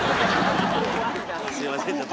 すいませんちょっと。